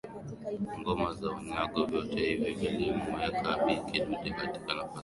ngoma za unyago vyote hivi vilimuweka Bi Kidude katika nafasi tofauti katika jamii Alikuwa